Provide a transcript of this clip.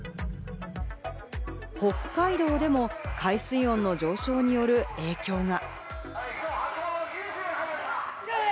北海道でも海水温の上昇による影響が。